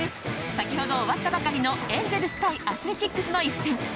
先ほど終わったばかりのエンゼルス対アスレチックスの一戦。